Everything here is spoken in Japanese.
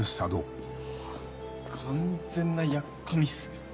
完全なやっかみっすね。